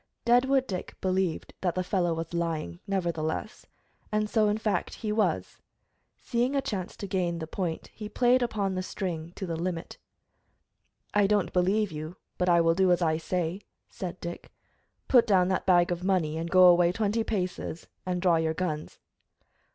Deadwood Dick believed that the fellow was lying, nevertheless, and so, in fact, he was. Seeing a chance to gain the point, he played upon the string to the limit. "I don't believe you, but I will do as I say," said Dick. "Put down that bag of money, and go away twenty paces and draw your guns."